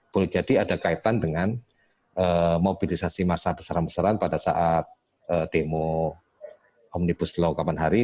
boleh jadi ada kaitan dengan mobilisasi massa besar besaran pada saat demo omnibus law kapan hari